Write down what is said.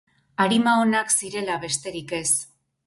Arima onak zirela besterik ez.